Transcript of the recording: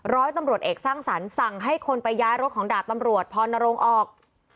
ร้อยตำรวจเอกสร้างสรรค์สั่งให้คนไปย้ายรถของดาบตำรวจพรนรงค์ออก